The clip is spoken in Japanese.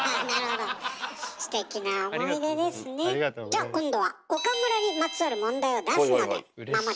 じゃ今度は岡村にまつわる問題を出すので。